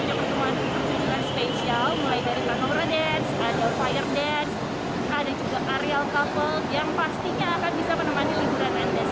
mulai dari kakak berdance ada fire dance ada juga aerial couple yang pastinya akan bisa menemani liburan anda